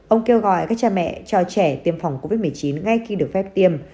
ông kêu gọi các cha mẹ cho trẻ tiêm phòng covid một mươi chín ngay khi được phép tiêm